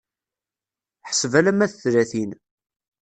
Ḥseb alamma d tlatin.